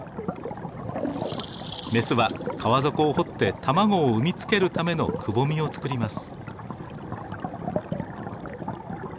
メスは川底を掘って卵を産み付けるためのくぼみを作ります。